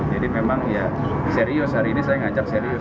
jadi memang ya serius hari ini saya ngajak serius